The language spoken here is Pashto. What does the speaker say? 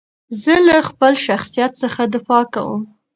زه له خپل شخصیت څخه دفاع کوم.